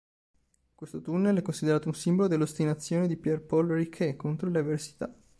Questo tunnel è considerato un simbolo dell'ostinazione di Pierre-Paul Riquet contro le avversità.